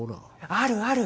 あるある。